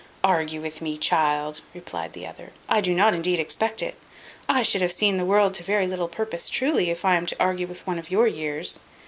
"Argue with me, child!" replied the other; "I do not indeed expect it. I should have seen the world to very little purpose truly, if I am to argue with one of your years.